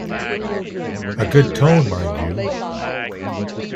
A good tone, mind you!